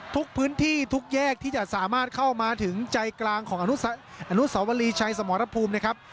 ทุกพื้นที่ทุกแยกที่จะสามารถเข้ามาถึงใจกลางของอนุสวรีชัยสมรภูมินะครับ